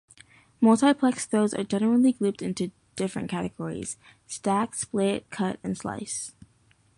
Multiplex throws are generally grouped into different categories: Stack, Split, Cut, and Slice.